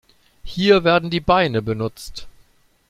Hier werden die Beine benutzt.